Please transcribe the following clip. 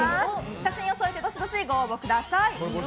写真を添えてどしどしご応募ください。